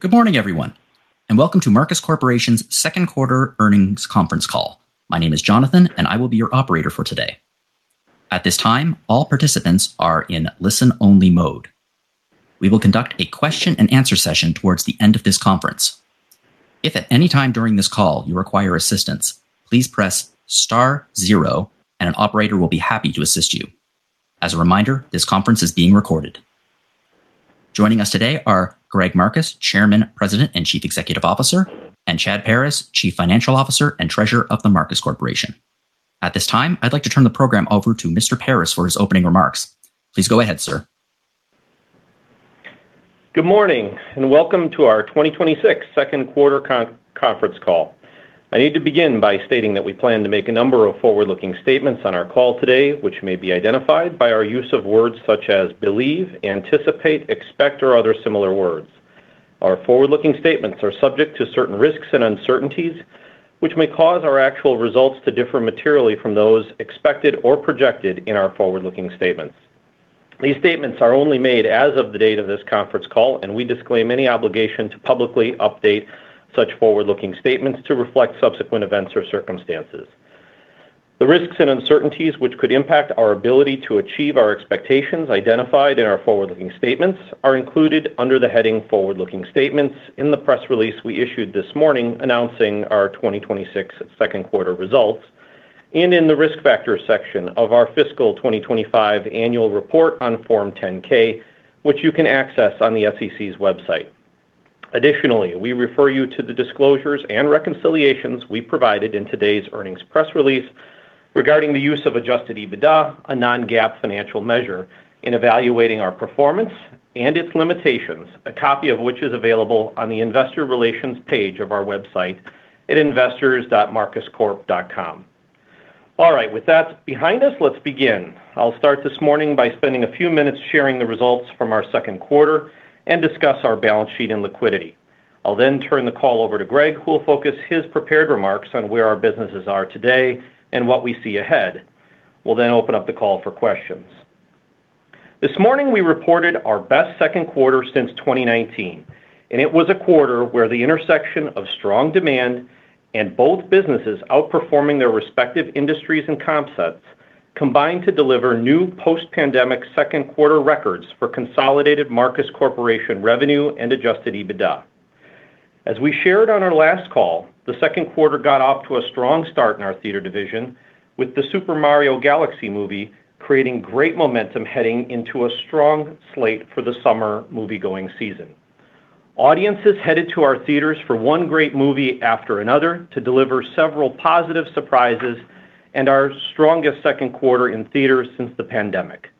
Good morning, everyone, and welcome to The Marcus Corporation's second quarter earnings conference call. My name is Jonathan, and I will be your operator for today. At this time, all participants are in listen-only mode. We will conduct a question and answer session towards the end of this conference. If at any time during this call you require assistance, please press star zero and an operator will be happy to assist you. As a reminder, this conference is being recorded. Joining us today are Greg Marcus, Chairman, President, and Chief Executive Officer, and Chad Paris, Chief Financial Officer and Treasurer of The Marcus Corporation. At this time, I'd like to turn the program over to Mr. Paris for his opening remarks. Please go ahead, sir. Good morning, welcome to our 2026 second quarter conference call. I need to begin by stating that we plan to make a number of forward-looking statements on our call today, which may be identified by our use of words such as "believe," "anticipate," "expect," or other similar words. Our forward-looking statements are subject to certain risks and uncertainties, which may cause our actual results to differ materially from those expected or projected in our forward-looking statements. These statements are only made as of the date of this conference call. We disclaim any obligation to publicly update such forward-looking statements to reflect subsequent events or circumstances. The risks and uncertainties which could impact our ability to achieve our expectations identified in our forward-looking statements are included under the heading "Forward-Looking Statements" in the press release we issued this morning announcing our 2026 second quarter results, and in the Risk Factors section of our fiscal 2025 annual report on Form 10-K, which you can access on the SEC's website. Additionally, we refer you to the disclosures and reconciliations we provided in today's earnings press release regarding the use of adjusted EBITDA, a non-GAAP financial measure, in evaluating our performance and its limitations, a copy of which is available on the investor relations page of our website at investors.marcuscorp.com. All right. With that behind us, let's begin. I'll start this morning by spending a few minutes sharing the results from our second quarter and discuss our balance sheet and liquidity. I'll turn the call over to Greg, who will focus his prepared remarks on where our businesses are today and what we see ahead. We'll open up the call for questions. This morning, we reported our best second quarter since 2019. It was a quarter where the intersection of strong demand and both businesses outperforming their respective industries and concepts combined to deliver new post-pandemic second quarter records for consolidated The Marcus Corporation revenue and adjusted EBITDA. As we shared on our last call, the second quarter got off to a strong start in our theater division with the "The Super Mario Bros. Movie" creating great momentum heading into a strong slate for the summer moviegoing season. Audiences headed to our theaters for one great movie after another to deliver several positive surprises and our strongest second quarter in theater since the pandemic.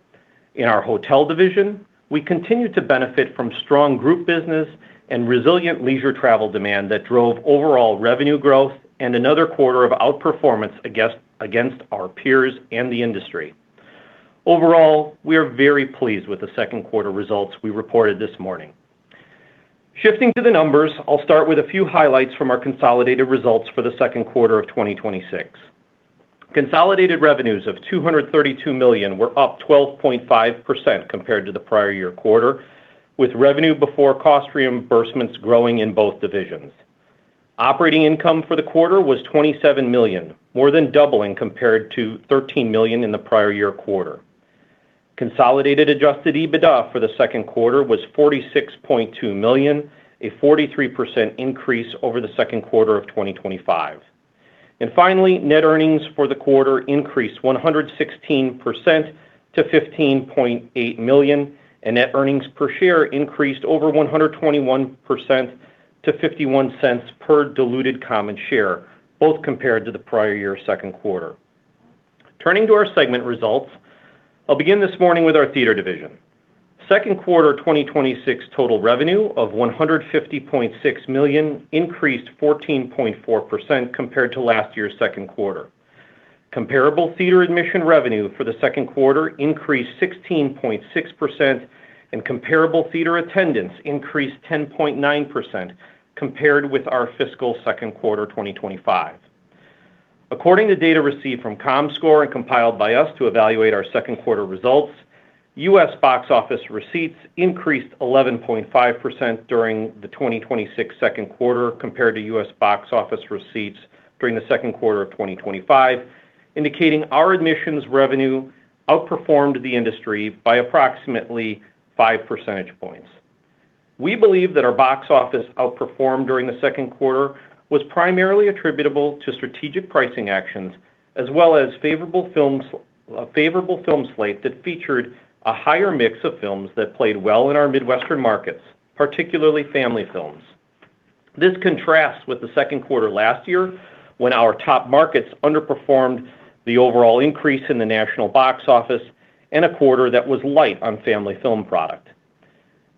In our Hotel Division, we continued to benefit from strong group business and resilient leisure travel demand that drove overall revenue growth and another quarter of outperformance against our peers and the industry. Overall, we are very pleased with the second quarter results we reported this morning. Shifting to the numbers, I'll start with a few highlights from our consolidated results for the second quarter of 2026. Consolidated revenues of $232 million were up 12.5% compared to the prior year quarter, with revenue before cost reimbursements growing in both divisions. Operating income for the quarter was $27 million, more than doubling compared to $13 million in the prior year quarter. Consolidated adjusted EBITDA for the second quarter was $46.2 million, a 43% increase over the second quarter of 2025. Finally, net earnings for the quarter increased 116% to $15.8 million, and net earnings per share increased over 121% to $0.51 per diluted common share, both compared to the prior year second quarter. Turning to our segment results, I'll begin this morning with our Theatre Division. Second quarter 2026 total revenue of $150.6 million increased 14.4% compared to last year's second quarter. Comparable theater admission revenue for the second quarter increased 16.6%, and comparable theater attendance increased 10.9% compared with our fiscal second quarter 2025. According to data received from Comscore and compiled by us to evaluate our second quarter results, U.S. box office receipts increased 11.5% during the 2026 second quarter compared to U.S. box office receipts during the second quarter of 2025, indicating our admissions revenue outperformed the industry by approximately five percentage points. We believe that our box office outperformed during the second quarter was primarily attributable to strategic pricing actions as well as a favorable film slate that featured a higher mix of films that played well in our Midwestern markets, particularly family films. This contrasts with the second quarter last year, when our top markets underperformed the overall increase in the national box office and a quarter that was light on family film product.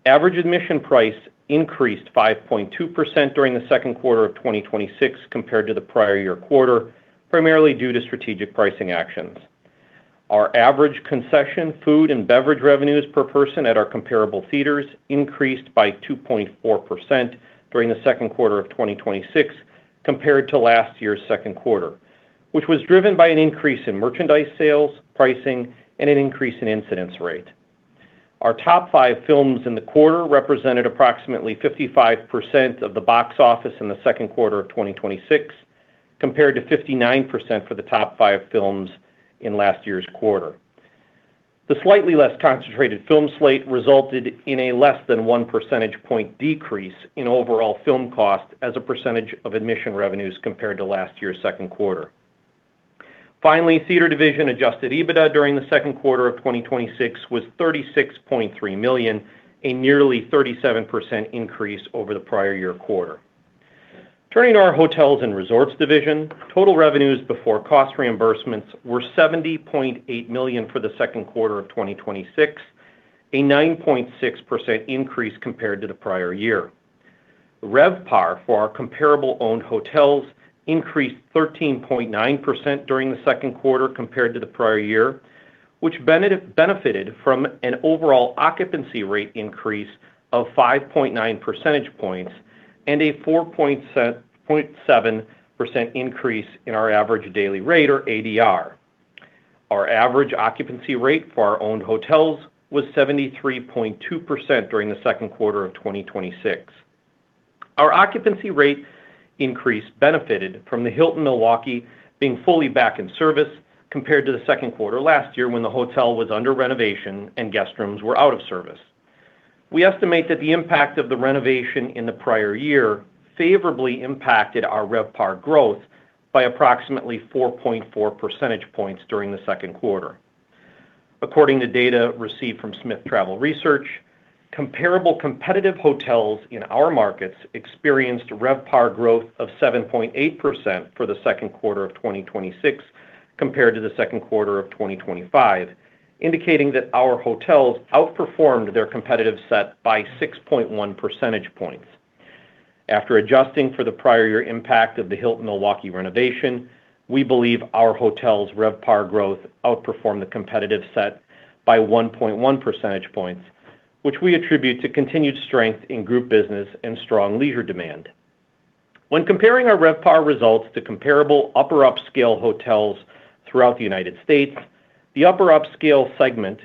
Average admission price increased 5.2% during the second quarter of 2026 compared to the prior year quarter, primarily due to strategic pricing actions. Our average concession food and beverage revenues per person at our comparable theaters increased by 2.4% during the second quarter of 2026 compared to last year's second quarter, which was driven by an increase in merchandise sales, pricing, and an increase in incidence rate. Our top five films in the quarter represented approximately 55% of the box office in the second quarter of 2026, compared to 59% for the top five films in last year's quarter. The slightly less concentrated film slate resulted in a less than one percentage point decrease in overall film cost as a percentage of admission revenues compared to last year's second quarter. Finally, Theatre Division adjusted EBITDA during the second quarter of 2026 was $36.3 million, a nearly 37% increase over the prior year quarter. Turning to our Hotels & Resorts Division, total revenues before cost reimbursements were $70.8 million for the second quarter of 2026, a 9.6% increase compared to the prior year. RevPAR for our comparable owned hotels increased 13.9% during the second quarter compared to the prior year, which benefited from an overall occupancy rate increase of 5.9 percentage points and a 4.7% increase in our average daily rate or ADR. Our average occupancy rate for our owned hotels was 73.2% during the second quarter of 2026. Our occupancy rate increase benefited from the Hilton Milwaukee being fully back in service compared to the second quarter last year when the hotel was under renovation and guest rooms were out of service. We estimate that the impact of the renovation in the prior year favorably impacted our RevPAR growth by approximately 4.4 percentage points during the second quarter. According to data received from Smith Travel Research, comparable competitive hotels in our markets experienced RevPAR growth of 7.8% for the second quarter of 2026 compared to the second quarter of 2025, indicating that our hotels outperformed their competitive set by 6.1 percentage points. After adjusting for the prior year impact of the Hilton Milwaukee renovation, we believe our hotel's RevPAR growth outperformed the competitive set by 1.1 percentage points, which we attribute to continued strength in group business and strong leisure demand. When comparing our RevPAR results to comparable upper upscale hotels throughout the U.S., the upper upscale segment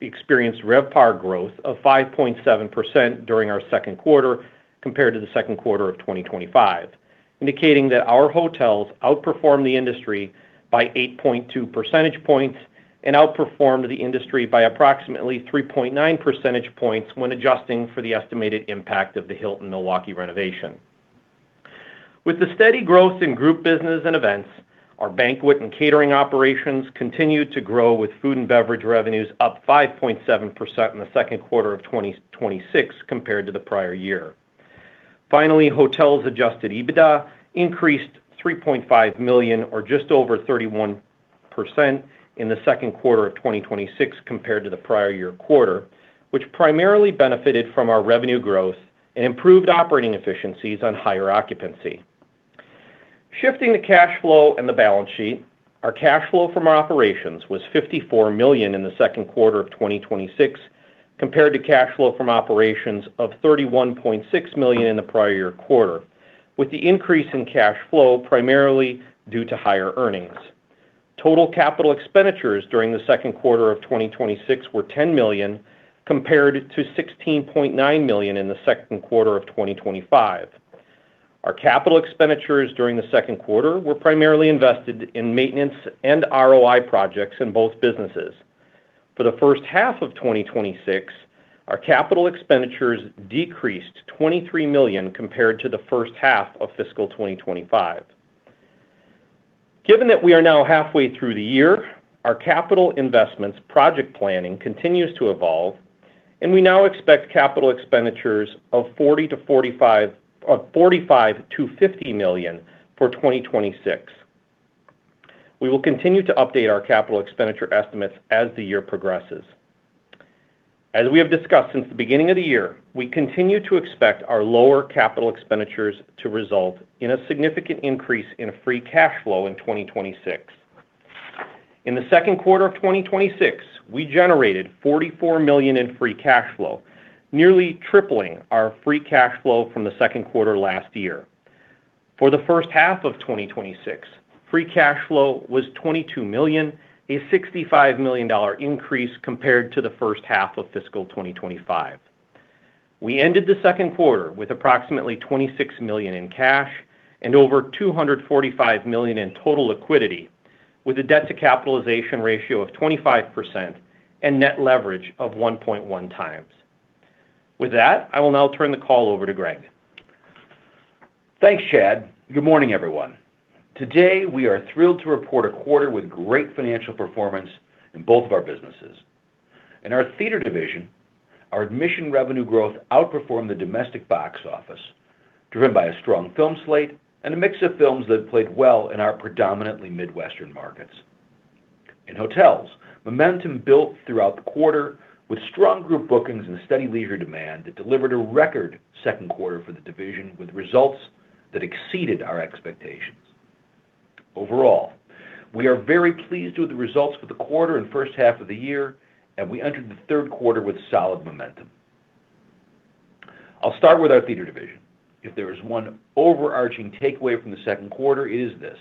experienced RevPAR growth of 5.7% during our second quarter compared to the second quarter of 2025, indicating that our hotels outperformed the industry by 8.2 percentage points and outperformed the industry by approximately 3.9 percentage points when adjusting for the estimated impact of the Hilton Milwaukee renovation. With the steady growth in group business and events, our banquet and catering operations continued to grow with food and beverage revenues up 5.7% in the second quarter of 2026 compared to the prior year. Hotels' adjusted EBITDA increased $3.5 million or just over 31% in the second quarter of 2026 compared to the prior year quarter, which primarily benefited from our revenue growth and improved operating efficiencies on higher occupancy. Shifting to cash flow and the balance sheet, our cash flow from operations was $54 million in the second quarter of 2026, compared to cash flow from operations of $31.6 million in the prior year quarter, with the increase in cash flow primarily due to higher earnings. Total capital expenditures during the second quarter of 2026 were $10 million, compared to $16.9 million in the second quarter of 2025. Our capital expenditures during the second quarter were primarily invested in maintenance and ROI projects in both businesses. For the first half of 2026, our capital expenditures decreased $23 million compared to the first half of fiscal 2025. Given that we are now halfway through the year, our capital investments project planning continues to evolve, and we now expect capital expenditures of $45 million-$50 million for 2026. We will continue to update our capital expenditure estimates as the year progresses. As we have discussed since the beginning of the year, we continue to expect our lower capital expenditures to result in a significant increase in free cash flow in 2026. In the second quarter of 2026, we generated $44 million in free cash flow, nearly tripling our free cash flow from the second quarter last year. For the first half of 2026, free cash flow was $22 million, a $65 million increase compared to the first half of FY 2025. We ended the second quarter with approximately $26 million in cash and over $245 million in total liquidity with a debt to capitalization ratio of 25% and net leverage of 1.1 times. With that, I will now turn the call over to Greg. Thanks, Chad. Good morning, everyone. Today, we are thrilled to report a quarter with great financial performance in both of our businesses. In our Theatre Division, our admission revenue growth outperformed the domestic box office, driven by a strong film slate and a mix of films that have played well in our predominantly Midwestern markets. In hotels, momentum built throughout the quarter with strong group bookings and steady leisure demand that delivered a record second quarter for the division with results that exceeded our expectations. Overall, we are very pleased with the results for the quarter and first half of the year, and we entered the third quarter with solid momentum. I'll start with our Theatre Division. If there is one overarching takeaway from the second quarter, it is this: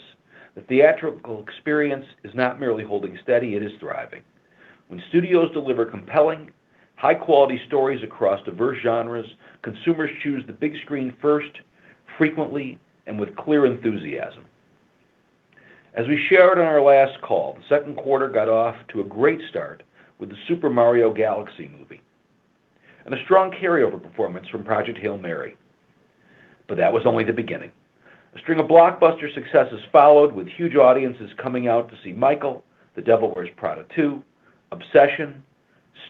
the theatrical experience is not merely holding steady, it is thriving. When studios deliver compelling, high-quality stories across diverse genres, consumers choose the big screen first, frequently, and with clear enthusiasm. As we shared on our last call, the second quarter got off to a great start with The Super Mario Bros. Movie and a strong carryover performance from Project Hail Mary. That was only the beginning. A string of blockbuster successes followed, with huge audiences coming out to see Michael, The Devil Wears Prada 2, Obsession,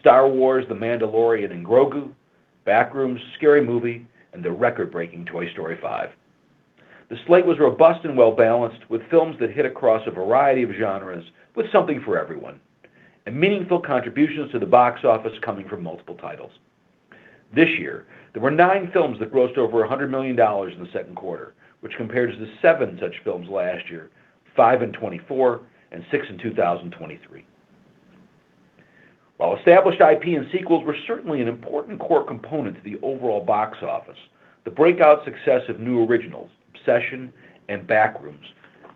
Star Wars: The Mandalorian & Grogu, Backrooms, Scary Movie, and the record-breaking Toy Story 5. The slate was robust and well-balanced, with films that hit across a variety of genres with something for everyone, and meaningful contributions to the box office coming from multiple titles. This year, there were nine films that grossed over $100 million in the second quarter, which compares to the seven such films last year, five in 2024, and six in 2023. While established IP and sequels were certainly an important core component to the overall box office, the breakout success of new originals, Obsession and Backrooms,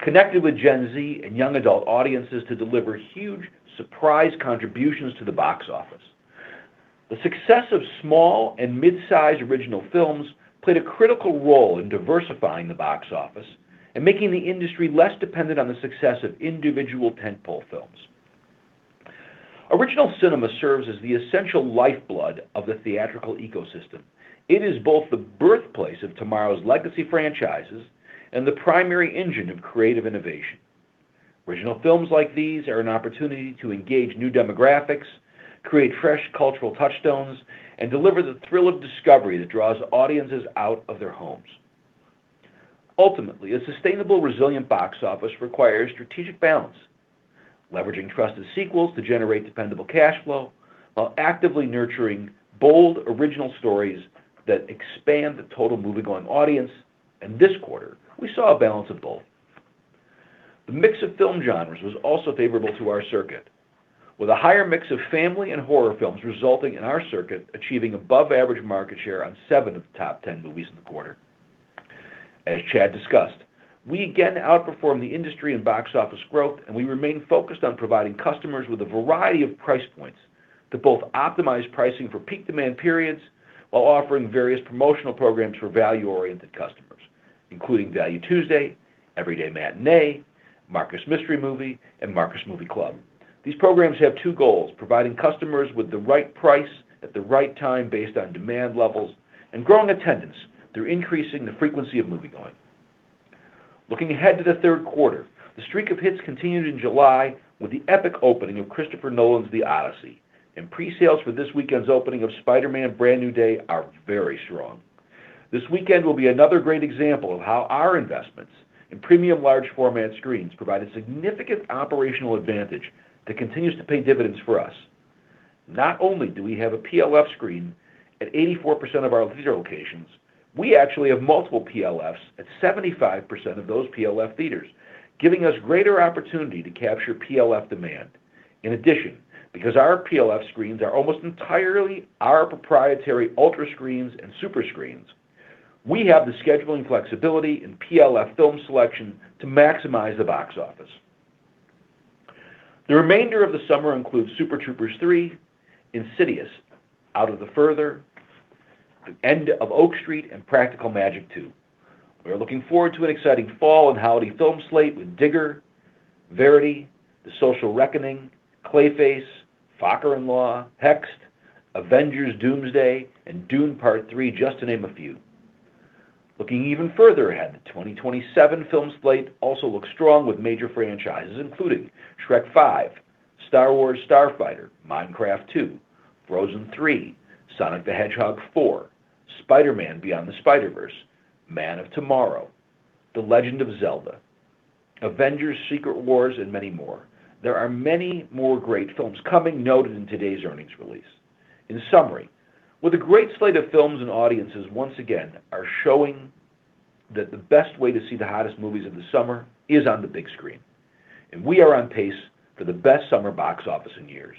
connected with Gen Z and young adult audiences to deliver huge surprise contributions to the box office. The success of small and mid-size original films played a critical role in diversifying the box office and making the industry less dependent on the success of individual tent-pole films. Original cinema serves as the essential lifeblood of the theatrical ecosystem. It is both the birthplace of tomorrow's legacy franchises and the primary engine of creative innovation. Original films like these are an opportunity to engage new demographics, create fresh cultural touchstones, and deliver the thrill of discovery that draws audiences out of their homes. Ultimately, a sustainable, resilient box office requires strategic balance, leveraging trusted sequels to generate dependable cash flow while actively nurturing bold, original stories that expand the total movie-going audience. This quarter, we saw a balance of both. The mix of film genres was also favorable to our circuit, with a higher mix of family and horror films resulting in our circuit achieving above-average market share on seven of the top 10 movies in the quarter. As Chad discussed, we again outperformed the industry in box office growth. We remain focused on providing customers with a variety of price points to both optimize pricing for peak demand periods while offering various promotional programs for value-oriented customers, including Value Tuesday, Everyday Matinee, Marcus Mystery Movie, and Marcus Movie Club. These programs have two goals, providing customers with the right price at the right time based on demand levels, and growing attendance through increasing the frequency of moviegoing. Looking ahead to the third quarter, the streak of hits continued in July with the epic opening of Christopher Nolan's "The Odyssey." Pre-sales for this weekend's opening of "Spider-Man: Brand New Day" are very strong. This weekend will be another great example of how our investments in premium large-format screens provide a significant operational advantage that continues to pay dividends for us. Not only do we have a PLF screen at 84% of our theater locations, we actually have multiple PLFs at 75% of those PLF theaters, giving us greater opportunity to capture PLF demand. In addition, because our PLF screens are almost entirely our proprietary Ultra Screens and Super Screens, we have the scheduling flexibility in PLF film selection to maximize the box office. The remainder of the summer includes "Super Troopers 3," "Insidious: Out of the Further," "The End of Oak Street," and "Practical Magic 2." We are looking forward to an exciting fall and holiday film slate with "Digger," "Verity," "The Social Reckoning," "Clayface," "Focker-in-Law," "Hexed," "Avengers: Doomsday," and "Dune: Part Three," just to name a few. Looking even further ahead, the 2027 film slate also looks strong with major franchises, including "Shrek 5," "Star Wars: Starfighter," "Minecraft 2," "Frozen 3," "Sonic the Hedgehog 4," "Spider-Man: Beyond the Spider-Verse," "Man of Tomorrow," "The Legend of Zelda," "Avengers: Secret Wars," and many more. There are many more great films coming, noted in today's earnings release. In summary, with a great slate of films, audiences once again are showing that the best way to see the hottest movies of the summer is on the big screen. We are on pace for the best summer box office in years.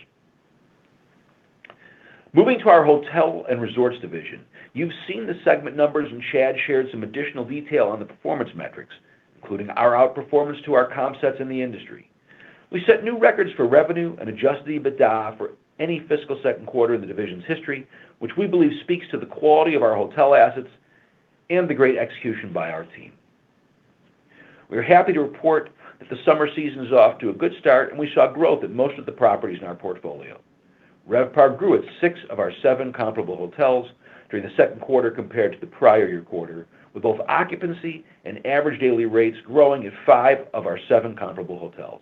Moving to our hotel and resorts division. You've seen the segment numbers. Chad shared some additional detail on the performance metrics, including our outperformance to our comp sets in the industry. We set new records for revenue and adjusted EBITDA for any fiscal second quarter in the division's history, which we believe speaks to the quality of our hotel assets and the great execution by our team. We are happy to report that the summer season is off to a good start, and we saw growth at most of the properties in our portfolio. RevPAR grew at six of our seven comparable hotels during the second quarter compared to the prior year quarter, with both occupancy and average daily rates growing at five of our seven comparable hotels.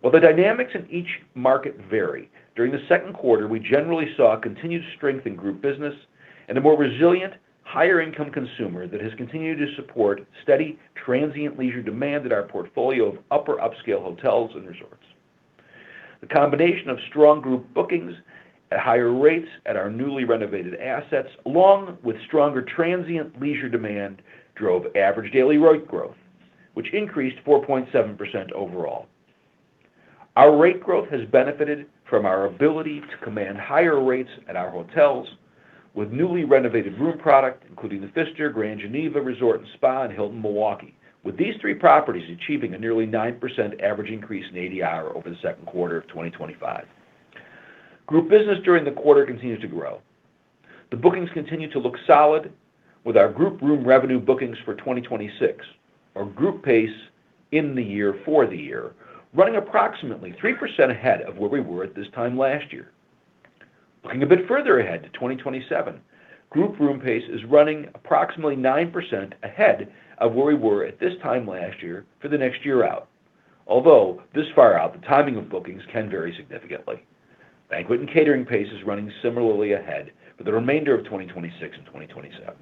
While the dynamics in each market vary, during the second quarter, we generally saw continued strength in group business and a more resilient, higher-income consumer that has continued to support steady transient leisure demand at our portfolio of upper upscale hotels and resorts. The combination of strong group bookings at higher rates at our newly renovated assets, along with stronger transient leisure demand, drove average daily rate growth, which increased 4.7% overall. Our rate growth has benefited from our ability to command higher rates at our hotels with newly renovated room product, including The Pfister, Grand Geneva Resort & Spa, and Hilton Milwaukee, with these three properties achieving a nearly 9% average increase in ADR over the second quarter of 2025. Group business during the quarter continues to grow. The bookings continue to look solid with our group room revenue bookings for 2026. Our group pace in the year for the year, running approximately 3% ahead of where we were at this time last year. Looking a bit further ahead to 2027, group room pace is running approximately 9% ahead of where we were at this time last year for the next year out, although this far out, the timing of bookings can vary significantly. Banquet and catering pace is running similarly ahead for the remainder of 2026 and 2027.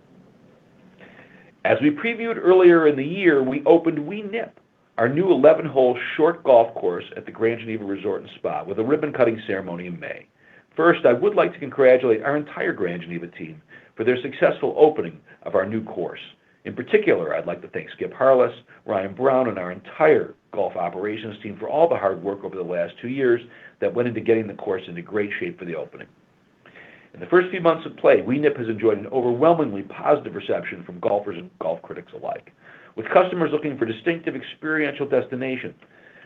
As we previewed earlier in the year, we opened Wee Nip, our new 11-hole short golf course at the Grand Geneva Resort & Spa with a ribbon-cutting ceremony in May. First, I would like to congratulate our entire Grand Geneva team for their successful opening of our new course. In particular, I'd like to thank Skip Harless, Ryan Brown, and our entire golf operations team for all the hard work over the last two years that went into getting the course into great shape for the opening. In the first few months of play, Wee Nip has enjoyed an overwhelmingly positive reception from golfers and golf critics alike. With customers looking for distinctive experiential destinations,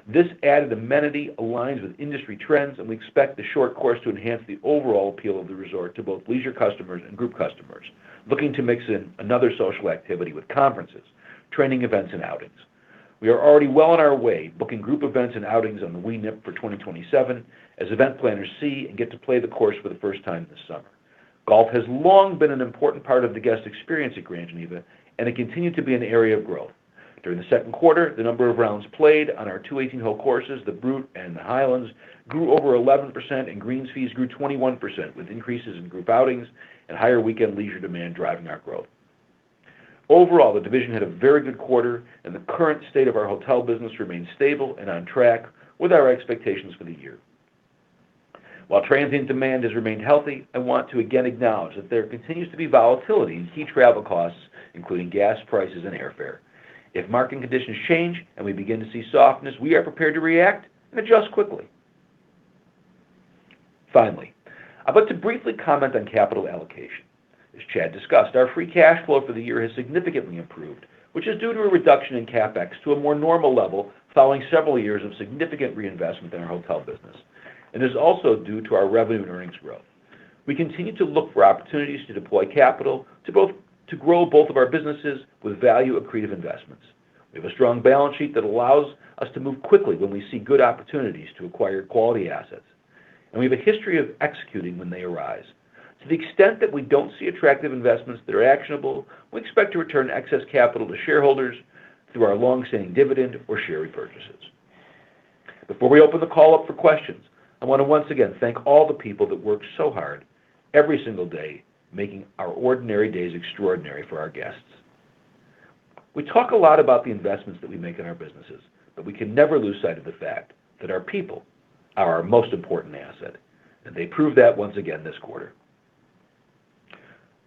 this added amenity aligns with industry trends, and we expect the short course to enhance the overall appeal of the resort to both leisure customers and group customers looking to mix in another social activity with conferences, training events, and outings. We are already well on our way, booking group events and outings on the Wee Nip for 2027 as event planners see and get to play the course for the first time this summer. Golf has long been an important part of the guest experience at Grand Geneva, and it continued to be an area of growth. During the second quarter, the number of rounds played on our two 18-hole courses, The Brute and The Highlands, grew over 11%, and greens fees grew 20%, with increases in group outings and higher weekend leisure demand driving our growth. Overall, the division had a very good quarter, and the current state of our hotel business remains stable and on track with our expectations for the year. While transient demand has remained healthy, I want to again acknowledge that there continues to be volatility in key travel costs, including gas prices and airfare. If market conditions change and we begin to see softness, we are prepared to react and adjust quickly. Finally, I'd like to briefly comment on capital allocation. As Chad discussed, our free cash flow for the year has significantly improved, which is due to a reduction in CapEx to a more normal level following several years of significant reinvestment in our hotel business, and is also due to our revenue and earnings growth. We continue to look for opportunities to deploy capital to grow both of our businesses with value-accretive investments. We have a strong balance sheet that allows us to move quickly when we see good opportunities to acquire quality assets, and we have a history of executing when they arise. To the extent that we don't see attractive investments that are actionable, we expect to return excess capital to shareholders through our longstanding dividend or share repurchases. Before we open the call up for questions, I want to once again thank all the people that work so hard every single day, making our ordinary days extraordinary for our guests. We talk a lot about the investments that we make in our businesses, but we can never lose sight of the fact that our people are our most important asset, and they proved that once again this quarter.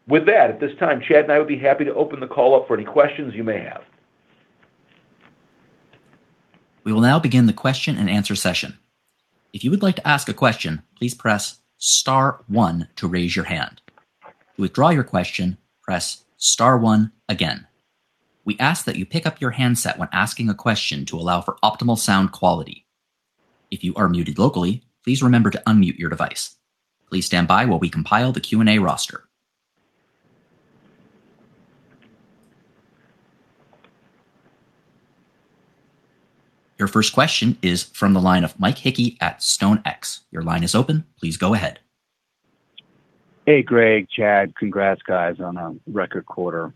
With that, at this time, Chad and I would be happy to open the call up for any questions you may have. We will now begin the question and answer session. If you would like to ask a question, please press star one to raise your hand. To withdraw your question, press star one again. We ask that you pick up your handset when asking a question to allow for optimal sound quality. If you are muted locally, please remember to unmute your device. Please stand by while we compile the Q&A roster. Your first question is from the line of Michael Hickey at StoneX. Your line is open. Please go ahead. Hey, Greg, Chad. Congrats, guys, on a record quarter.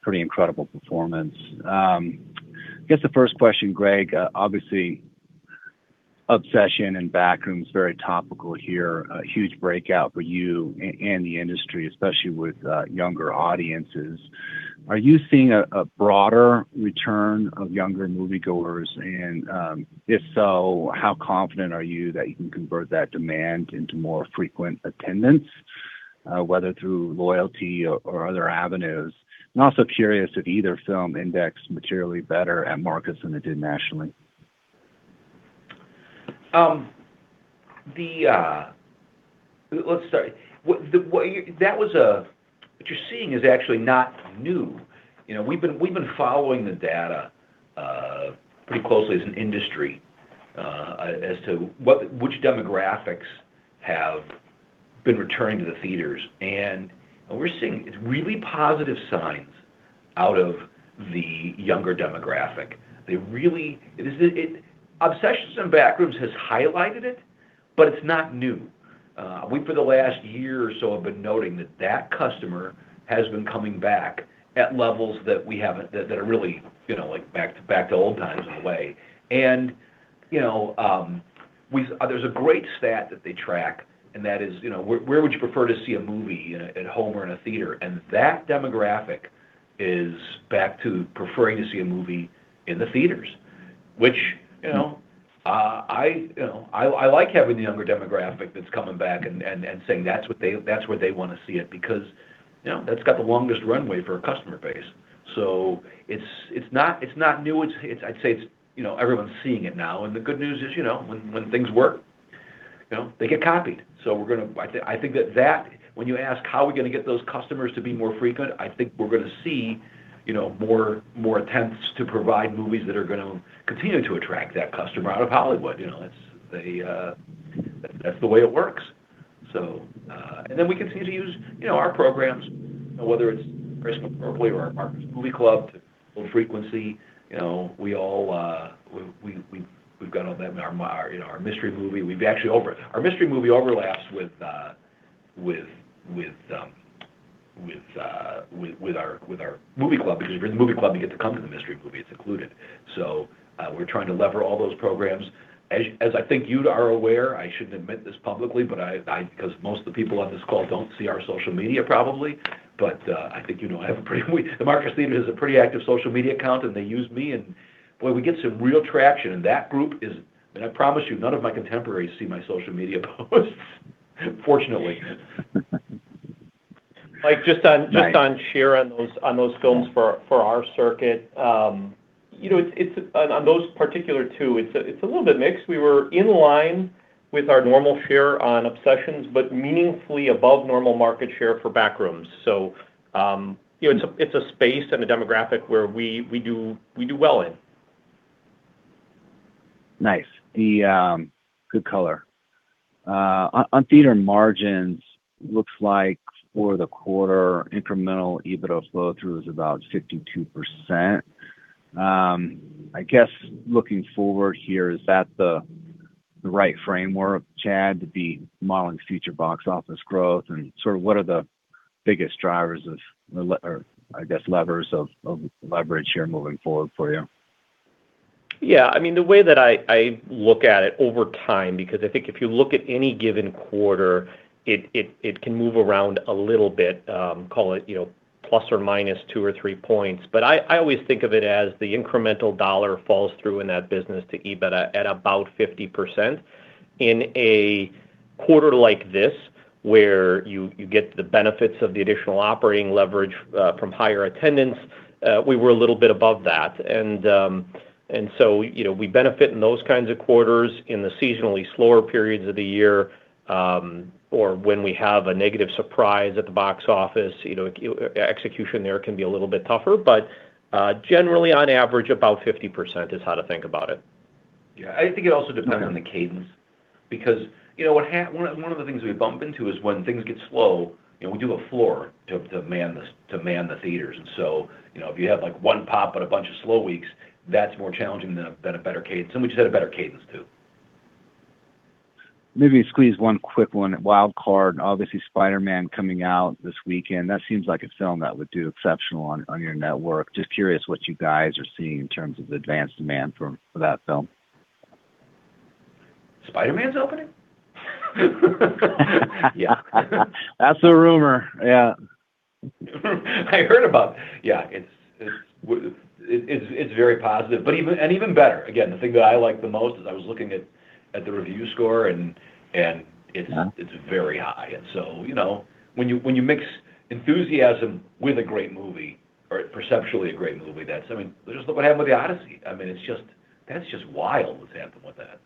Pretty incredible performance. Guess the first question, Greg, obviously, "Obsession" and "Backrooms," very topical here. A huge breakout for you and the industry, especially with younger audiences. Are you seeing a broader return of younger moviegoers? If so, how confident are you that you can convert that demand into more frequent attendance, whether through loyalty or other avenues? I'm also curious if either film indexed materially better at Marcus than it did nationally. What you're seeing is actually not new. We've been following the data pretty closely as an industry as to which demographics have been returning to the theaters. We're seeing really positive signs out of the younger demographic. "Obsession" and "Backrooms" has highlighted it. It's not new. We, for the last year or so, have been noting that that customer has been coming back at levels that are really back to old times in a way. There's a great stat that they track, and that is, "Where would you prefer to see a movie, at home or in a theater?" That demographic is back to preferring to see a movie in the theaters, which I like having the younger demographic that's coming back and saying that's where they want to see it, because that's got the longest runway for a customer base. It's not new. I'd say everyone's seeing it now. The good news is, when things work, they get copied. I think that when you ask how we're going to get those customers to be more frequent, I think we're going to see more attempts to provide movies that are going to continue to attract that customer out of Hollywood. That's the way it works. We continue to use our programs, whether it's Christmas probably or our Marcus Movie Club, old frequency. We've got all that in our Mystery Movie. Our Mystery Movie overlaps with our Movie Club, because if you're in the Movie Club, you get to come to the Mystery Movie. It's included. We're trying to lever all those programs. As I think you are aware, I shouldn't admit this publicly, because most of the people on this call don't see our social media probably, but I think you know The Marcus Theatres has a pretty active social media account, and they use me, and boy, we get some real traction. I promise you, none of my contemporaries see my social media posts, fortunately. Mike. Nice share on those films for our circuit. On those particular two, it's a little bit mixed. We were in line with our normal share on "Obsession," but meaningfully above normal market share for "Backrooms." It's a space and a demographic where we do well in. Nice. Good color. On theater margins, looks like for the quarter, incremental EBITDA flow through is about 52%. I guess looking forward here, is that the right framework, Chad, to be modeling future box office growth and sort of what are the biggest drivers Or I guess levers of leverage here moving forward for you? Yeah, the way that I look at it over time, because I think if you look at any given quarter, it can move around a little bit, call it plus or minus two or three points. I always think of it as the incremental dollar falls through in that business to EBITDA at about 50%. In a quarter like this, where you get the benefits of the additional operating leverage, from higher attendance, we were a little bit above that. We benefit in those kinds of quarters, in the seasonally slower periods of the year, or when we have a negative surprise at the box office, execution there can be a little bit tougher. Generally on average, about 50% is how to think about it. Yeah. I think it also depends on the cadence because one of the things we bump into is when things get slow, we do a floor to man the theatres. If you have one pop but a bunch of slow weeks, that's more challenging than a better cadence, and we just had a better cadence, too. Maybe squeeze one quick one, a wild card. Obviously, "Spider-Man" coming out this weekend. That seems like a film that would do exceptional on your network. Just curious what you guys are seeing in terms of advanced demand for that film. Spider-Man's" opening? Yeah. That's the rumor. Yeah. I heard about it. Yeah. It's very positive. Even better, again, the thing that I like the most is I was looking at the review score and- Yeah it's very high. When you mix enthusiasm with a great movie or perceptually a great movie, that's, I mean, just look what happened with "The Odyssey." That's just wild what's happened with that.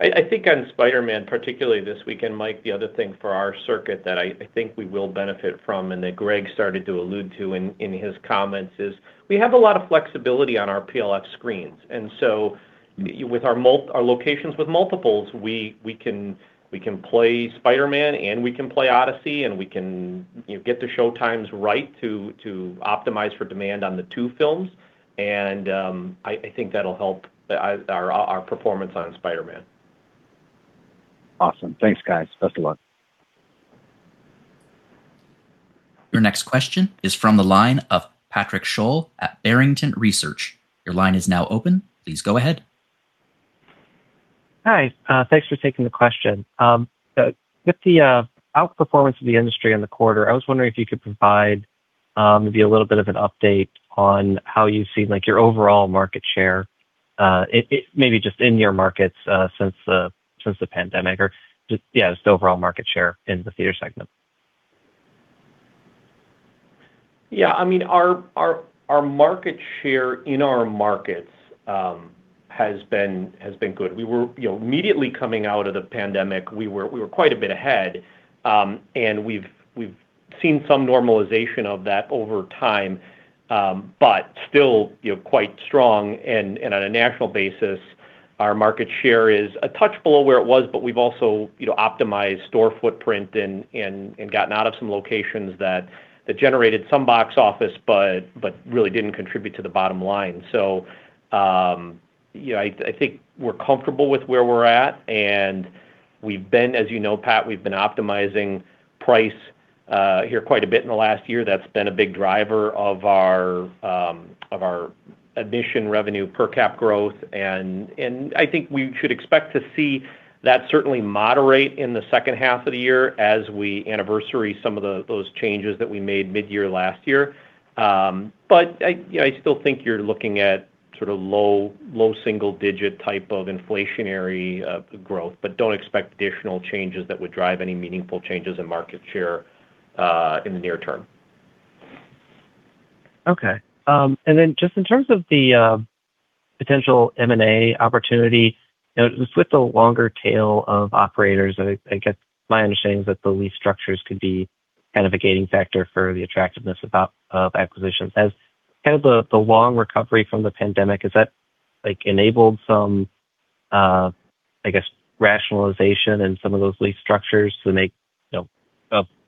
I think on "Spider-Man" particularly this weekend, Mike, the other thing for our circuit that I think we will benefit from and that Greg started to allude to in his comments is we have a lot of flexibility on our PLF screens. With our locations with multiples, we can play "Spider-Man" and we can play "The Odyssey," and we can get the show times right to optimize for demand on the two films, and I think that'll help our performance on "Spider-Man. Awesome. Thanks, guys. Best of luck. Your next question is from the line of Patrick Sholl at Barrington Research. Your line is now open. Please go ahead. Hi. Thanks for taking the question. With the outperformance of the industry in the quarter, I was wondering if you could provide maybe a little bit of an update on how you see your overall market share, maybe just in your markets, since the pandemic, or just, yeah, just overall market share in the theater segment. Yeah. Our market share in our markets has been good. Immediately coming out of the pandemic, we were quite a bit ahead. We've seen some normalization of that over time. Still quite strong, and on a national basis, our market share is a touch below where it was, but we've also optimized store footprint and gotten out of some locations that generated some box office but really didn't contribute to the bottom line. I think we're comfortable with where we're at, and we've been, as you know, Pat, we've been optimizing price here quite a bit in the last year. That's been a big driver of our admission revenue per cap growth, and I think we should expect to see that certainly moderate in the second half of the year as we anniversary some of those changes that we made mid-year last year. I still think you're looking at low single digit type of inflationary growth, don't expect additional changes that would drive any meaningful changes in market share in the near term. Okay. Just in terms of the potential M&A opportunity, with the longer tail of operators, I guess my understanding is that the lease structures could be a gating factor for the attractiveness of acquisitions. As the long recovery from the pandemic, has that enabled some, I guess, rationalization in some of those lease structures to make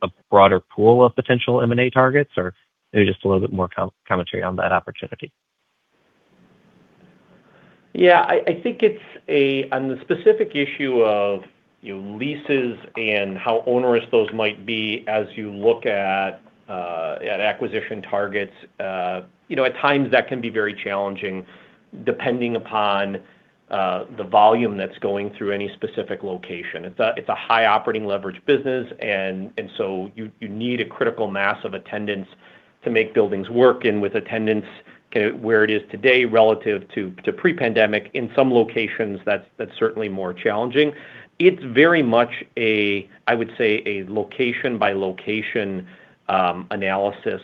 a broader pool of potential M&A targets? Or maybe just a little bit more commentary on that opportunity? Yeah, I think on the specific issue of leases and how onerous those might be as you look at acquisition targets, at times that can be very challenging depending upon the volume that's going through any specific location. It's a high operating leverage business, so you need a critical mass of attendance to make buildings work. With attendance where it is today relative to pre-pandemic, in some locations, that's certainly more challenging. It's very much a, I would say, a location-by-location analysis.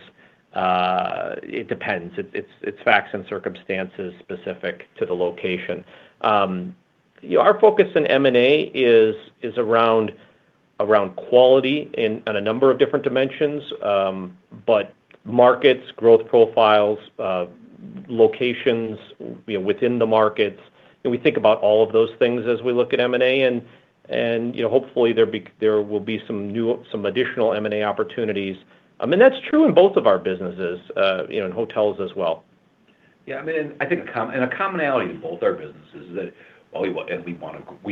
It depends. It's facts and circumstances specific to the location. Our focus in M&A is around quality in a number of different dimensions, but markets, growth profiles, locations within the markets, and we think about all of those things as we look at M&A, and hopefully there will be some additional M&A opportunities. That's true in both of our businesses, in hotels as well. Yeah, I think a commonality in both our businesses is that, we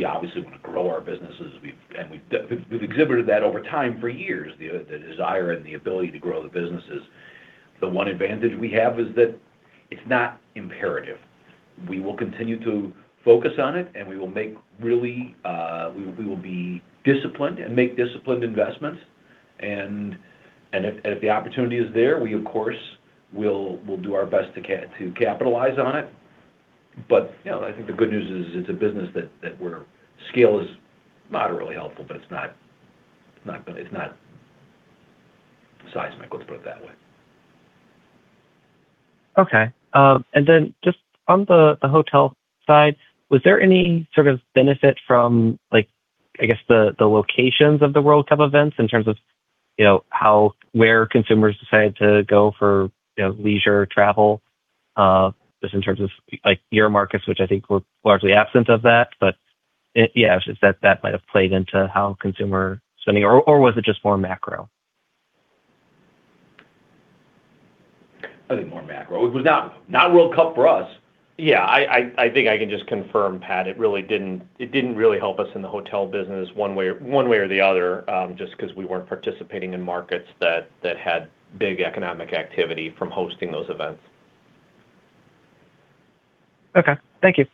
obviously want to grow our businesses. We've exhibited that over time for years, the desire and the ability to grow the businesses. The one advantage we have is that it's not imperative. We will continue to focus on it, and we will be disciplined and make disciplined investments. If the opportunity is there, we of course will do our best to capitalize on it. I think the good news is it's a business that where scale is moderately helpful, but it's not seismic, let's put it that way. Okay. Just on the hotel side, was there any sort of benefit from the locations of the World Cup events in terms of where consumers decided to go for leisure travel? Just in terms of your markets, which I think were largely absent of that, but, yeah, that might have played into how consumer spending. Or was it just more macro? I think more macro. It was not World Cup for us. Yeah, I think I can just confirm, Pat, it didn't really help us in the hotel business one way or the other, just because we weren't participating in markets that had big economic activity from hosting those events. Okay. Thank you.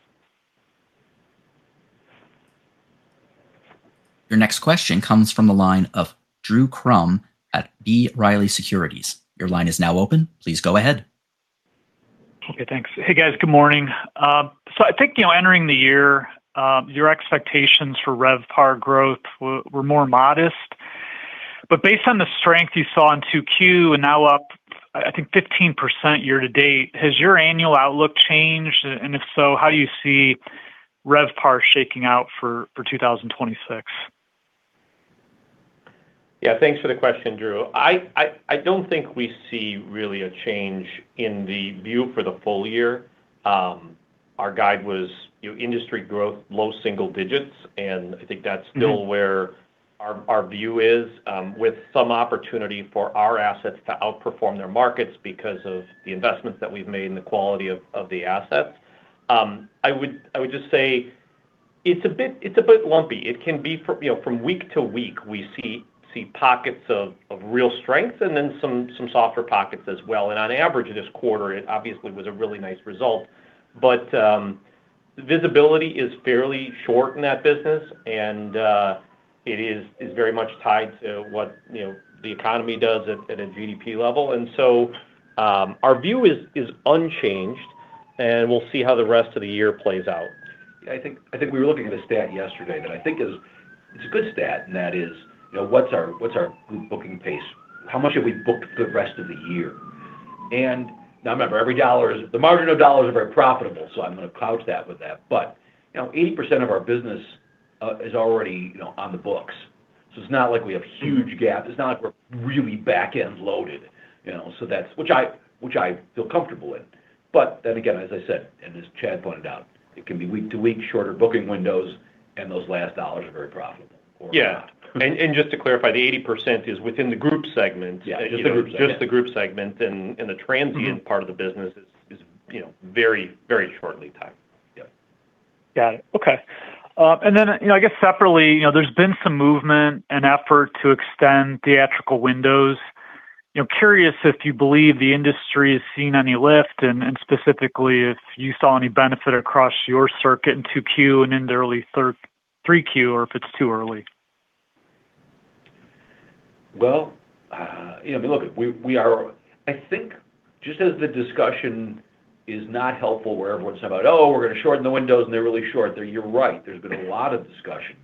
Your next question comes from the line of Drew Crum at B. Riley Securities. Your line is now open. Please go ahead. Okay. Thanks. Hey, guys. Good morning. I think, entering the year, your expectations for RevPAR growth were more modest, based on the strength you saw in 2Q and now up, I think 15% year-to-date, has your annual outlook changed? If so, how do you see RevPAR shaking out for 2026? Yeah. Thanks for the question, Drew. I don't think we see really a change in the view for the full year. Our guide was industry growth, low single digits, I think that's still where our view is, with some opportunity for our assets to outperform their markets because of the investments that we've made and the quality of the assets. I would just say it's a bit lumpy. From week to week, we see pockets of real strength then some softer pockets as well. On average, this quarter, it obviously was a really nice result. Visibility is fairly short in that business and it is very much tied to what the economy does at a GDP level. Our view is unchanged, and we'll see how the rest of the year plays out. I think we were looking at a stat yesterday that I think is a good stat, that is, what's our booking pace? How much have we booked the rest of the year? Now remember, the margin of dollars are very profitable, I'm going to couch that with that. 80% of our business is already on the books. It's not like we have huge gaps. It's not like we're really back-end loaded, which I feel comfortable in. Again, as I said, and as Chad pointed out, it can be week to week, shorter booking windows, and those last dollars are very profitable. Yeah. Just to clarify, the 80% is within the group segment. Yeah, just the group segment. Just the group segment, and the transient part of the business is very shortly tied. Yeah. Got it. Okay. I guess separately, there's been some movement and effort to extend theatrical windows. Curious if you believe the industry has seen any lift, and specifically if you saw any benefit across your circuit in 2Q and into early 3Q, or if it's too early. Well, look, I think just as the discussion is not helpful where everyone's talking about, "Oh, we're going to shorten the windows," and they're really short, you're right. There's been a lot of discussion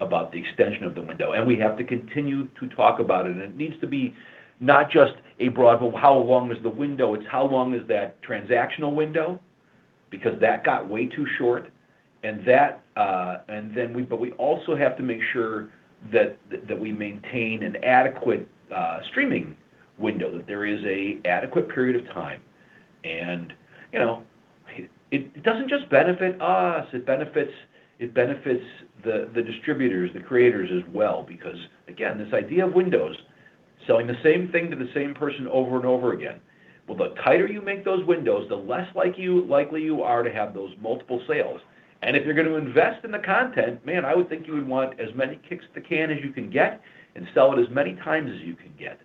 about the extension of the window, and we have to continue to talk about it. It needs to be not just a broad, but how long is the window? It's how long is that transactional window? Because that got way too short. We also have to make sure that we maintain a adequate streaming window, that there is a adequate period of time. It doesn't just benefit us, it benefits the distributors, the creators as well. Because, again, this idea of windows, selling the same thing to the same person over and over again. Well, the tighter you make those windows, the less likely you are to have those multiple sales. If you're going to invest in the content, man, I would think you would want as many kicks at the can as you can get and sell it as many times as you can get.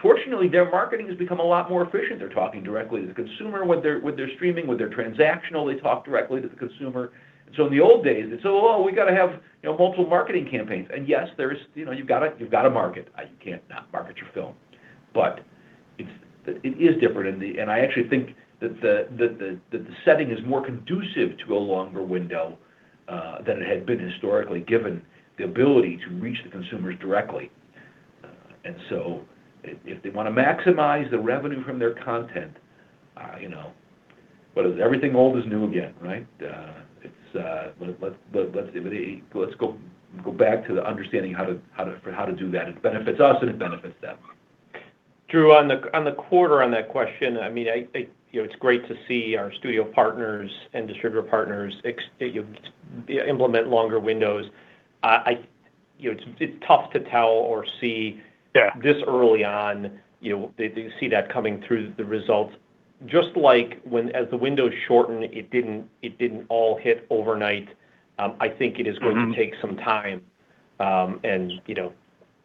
Fortunately, their marketing has become a lot more efficient. They're talking directly to the consumer with their streaming, with their transactional. They talk directly to the consumer. In the old days, they'd say, "Well, we've got to have multiple marketing campaigns." Yes, you've got to market. You can't not market your film. It is different, and I actually think that the setting is more conducive to a longer window than it had been historically, given the ability to reach the consumers directly. If they want to maximize the revenue from their content, as everything old is new again, right? Let's go back to the understanding for how to do that. It benefits us, and it benefits them. Drew, on the quarter on that question, it's great to see our studio partners and distributor partners implement longer windows. It's tough to tell or Yeah This early on, they see that coming through the results. Just like as the windows shortened, it didn't all hit overnight. I think it is going to take some time, and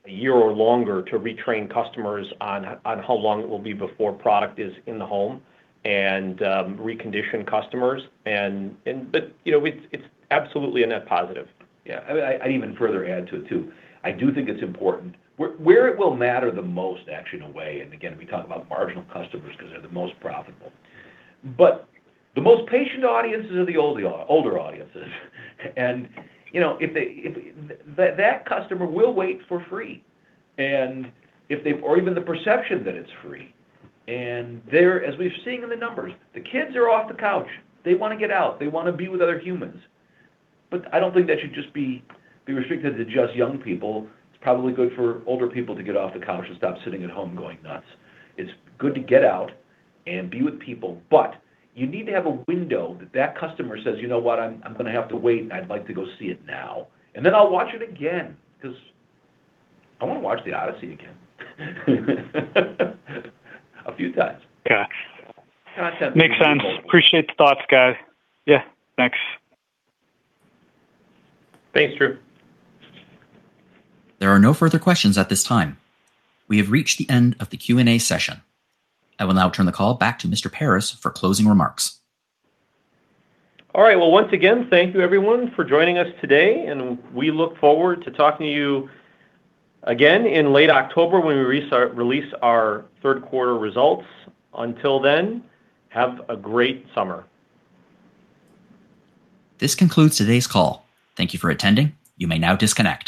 a year or longer to retrain customers on how long it will be before product is in the home and recondition customers. It's absolutely a net positive. Yeah. I'd even further add to it too. I do think it's important. Where it will matter the most, actually in a way, and again, we talk about marginal customers because they're the most profitable. The most patient audiences are the older audiences. That customer will wait for free, or even the perception that it's free. As we've seen in the numbers, the kids are off the couch. They want to get out. They want to be with other humans. I don't think that should just be restricted to just young people. It's probably good for older people to get off the couch and stop sitting at home going nuts. It's good to get out and be with people. You need to have a window that that customer says, "You know what, I'm going to have to wait. I'd like to go see it now." Then I'll watch it again because I want to watch "The Odyssey" again. A few times. Gotcha. Makes sense. Appreciate the thoughts, guys. Yeah. Thanks. Thanks, Drew. There are no further questions at this time. We have reached the end of the Q&A session. I will now turn the call back to Mr. Paris for closing remarks. All right. Well, once again, thank you everyone for joining us today, and we look forward to talking to you again in late October when we release our third quarter results. Until then, have a great summer. This concludes today's call. Thank you for attending. You may now disconnect.